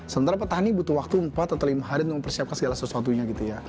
sementara petani butuh waktu empat atau lima hari untuk mempersiapkan segala sesuatunya gitu ya